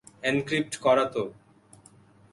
Encrypt করা তো।